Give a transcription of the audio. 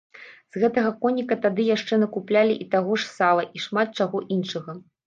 З гэтага коніка тады яшчэ накуплялі і таго ж сала, і шмат чаго іншага.